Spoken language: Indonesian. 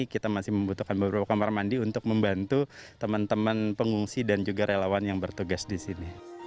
kita masih membutuhkan beberapa kamar mandi untuk membantu teman teman pengungsi dan juga relawan yang bertugas di sini